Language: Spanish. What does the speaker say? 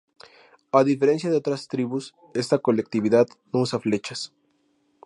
A diferencia de otras tribus esta colectividad no usa flechas.